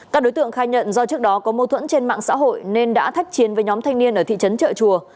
các đối tượng khai nhận do trước đó có mâu thuẫn trên mạng xã hội nên đã thách chiến với nhóm thanh niên ở thị trấn trợ chùa